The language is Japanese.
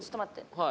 はい。